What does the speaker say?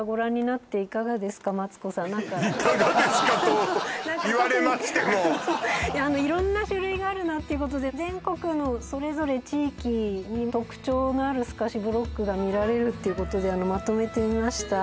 何か「いかがですか」と言われましても色んな種類があるなっていうことで全国のそれぞれ地域に特徴のある透かしブロックが見られるっていうことでまとめてみました